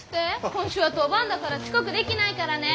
今週は当番だから遅刻できないからね。